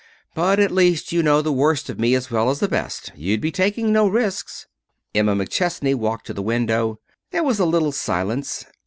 "But at least you know the worst of me as well as the best. You'd be taking no risks." Emma McChesney walked to the window. There was a little silence.